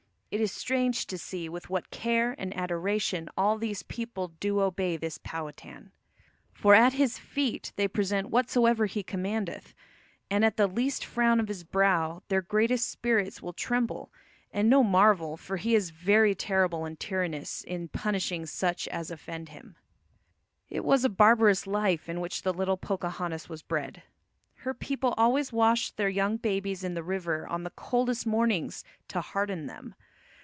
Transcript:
It is strange to see with what care and adoration all these people do obey this Powhatan. For at his feete they present whatsoever he commandeth, and at the least frown of his brow, their greatest spirits will tremble! and no marvell, for he is very terrible and tyrannous in punishing such as offend him." It was a barbarous life in which the little Pocahontas was bred. Her people always washed their young babies in the river on the coldest mornings to harden them.